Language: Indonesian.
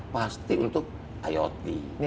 pasti untuk iot